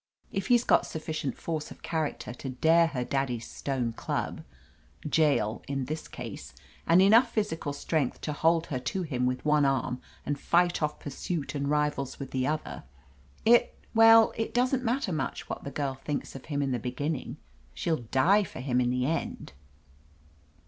If he's got sirfficient force of character to dare her daddy's stone club — jail, in this case — and enough physical strength to hold her to him with one arm and fight off pursuit and rivals with the other, it — ^well, it doesn't matter much what the girl thinks of him in the beginning : she'll die for him, in the end."